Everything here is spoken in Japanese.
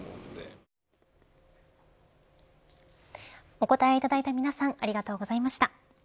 お答えいただいた皆さんありがとうございました。